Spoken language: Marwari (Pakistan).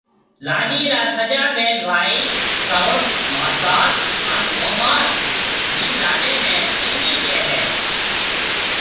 لاڏيِ را سجا ٻين ڀائي، سئوٽ، ماسات هانَ مومات بي لاڏيَ نَي ٻَينِي ڪهيَ هيَ۔